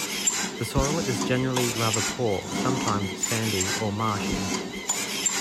The soil is generally rather poor, sometimes sandy or marshy.